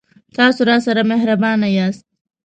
تاسو راسره مهربان یاست